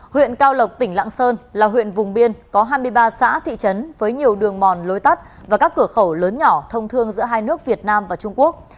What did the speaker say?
huyện cao lộc tỉnh lạng sơn là huyện vùng biên có hai mươi ba xã thị trấn với nhiều đường mòn lối tắt và các cửa khẩu lớn nhỏ thông thương giữa hai nước việt nam và trung quốc